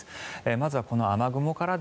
まずは、この雨雲から。